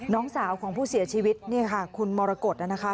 น้องสาวของผู้เสียชีวิตเนี่ยค่ะคุณมรกฏนะคะ